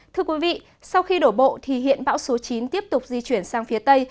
thưa quý vị sau khi đổ bộ thì hiện bão số chín tiếp tục di chuyển sang phía tây